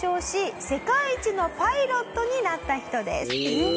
えっ？